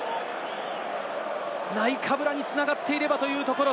ナイカブラに繋がっていればというところ。